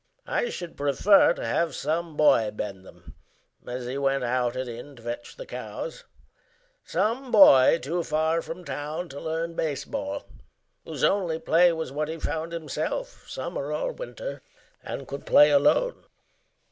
I should prefer to have some boy bend them As he went out and in to fetch the cows Some boy too far from town to learn baseball, Whose only play was what he found himself, Summer or winter, and could play alone.